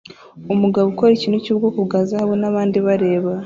Umugabo ukora ikintu cyubwoko bwa zahabu nabandi bareba